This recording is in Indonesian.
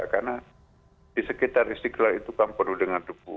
karena di sekitar istiqlal itu kan penuh dengan debu